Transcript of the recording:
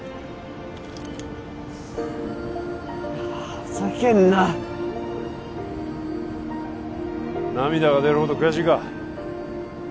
ふざけんな涙が出るほど悔しいか？